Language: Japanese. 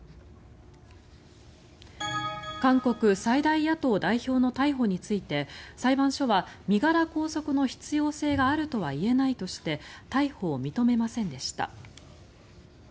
韓国最大野党代表の逮捕について裁判所は身柄拘束の必要性があるとは言えないとして逮捕を認めませんでした。